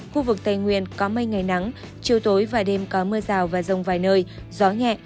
khu vực tây nguyên có mây ngày nắng chiều tối và đêm có mưa rào và rông vài nơi gió nhẹ